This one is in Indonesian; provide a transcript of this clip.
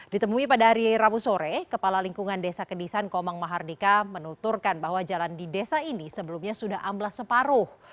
ditemui pada hari rabu sore kepala lingkungan desa kedisan komang mahardika menuturkan bahwa jalan di desa ini sebelumnya sudah amblas separuh